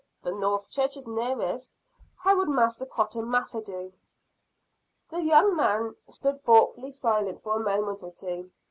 The North Church is nearest how would Master Cotton Mather do?" The young man stood thoughtfully silent for a moment or two.